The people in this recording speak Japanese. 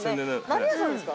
何屋さんですか？